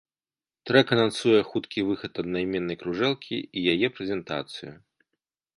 Трэк анансуе хуткі выхад аднайменнай кружэлкі і яе прэзентацыю.